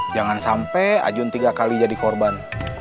jangan sampai ajun tiga kali jadi korban